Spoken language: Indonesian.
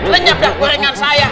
lenyap dah gorengan saya